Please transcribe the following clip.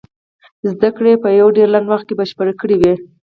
زدکړې يې په يو ډېر لنډ وخت کې بشپړې کړې وې.